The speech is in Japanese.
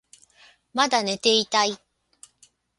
まだ寝ていたい